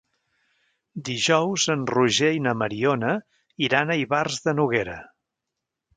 Dijous en Roger i na Mariona iran a Ivars de Noguera.